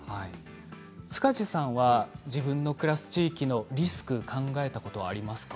塚地さんは自分の暮らす地域のリスクを考えたことはありますか。